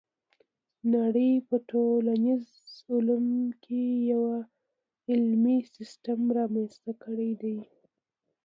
نړۍ په ټولنیزو علومو کې یو علمي سیستم رامنځته کړی دی.